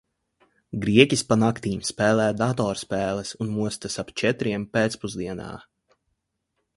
Grieķis pa naktīm spēlē datorspēles un mostas ap četriem pēcpusdienā.